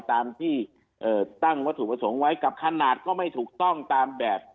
ตามที่ตั้งวัตถุประสงค์ไว้กับขนาดก็ไม่ถูกต้องตามแบบ